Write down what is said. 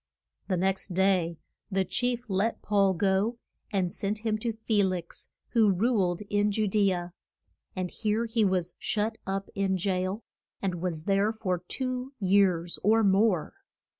The next day the chief let Paul go, and sent him to Fe lix, who ruled in Ju de a. And here he was shut up in jail, and was there for two years or more.